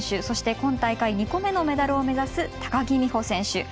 そして、今大会２個目のメダルを目指す高木美帆選手。